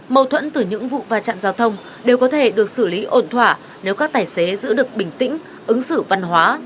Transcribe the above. mâu thuẫn từ những vụ va chạm giao thông đều có thể được xử lý ổn thỏa nếu các tài xế giữ được bình tĩnh ứng xử văn hóa